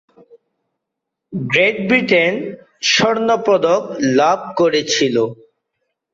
Great Britain স্বর্ণপদক লাভ করেছিল।